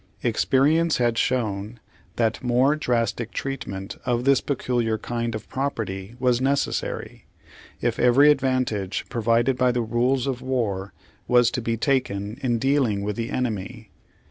Ex perience had shown that more drastic treatment of this peculiar kind of property was necessary, if every advantage provided by the rules of war, was to be taken in dealing with the enemy.